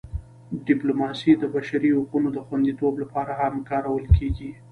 ډیپلوماسي د بشري حقونو د خوندیتوب لپاره هم کارول کېږي.